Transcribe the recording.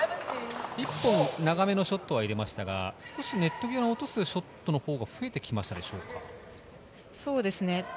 １本、長めのショットを入れましたが、少しネット際に落とすショットのほうが増えてきましたでしょうか。